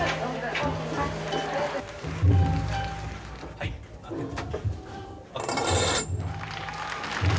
はい開けて。